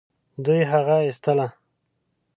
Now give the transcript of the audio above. دوی هغه ايستله.